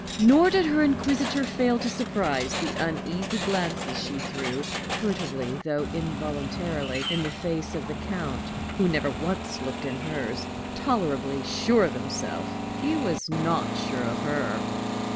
Nor did her inquisitor fail to surprise the uneasy glances she threw, furtively though involuntarily, in the face of the Count who never once looked in hers: tolerably sure of himself, he was not sure of her.